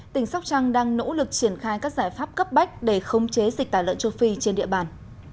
tỉnh sóc trăng đang nỗ lực triển khai các giải pháp cấp bách để khống chế dịch tả lợn châu phi trên địa bàn